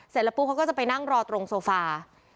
เสร็จแล้วปุ๊บเขาก็จะไปนั่งรอตรงโซฟา